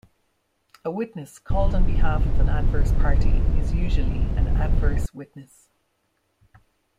A witness called on behalf of an adverse party is usually an adverse witness.